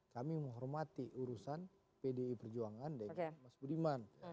kami menghormati urusan pd perjuangan dari mas budiman